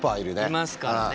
いますからね。